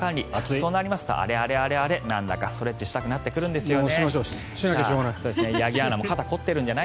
そうなますと、あれあれなんだかストレッチしたくなってくるんですよね。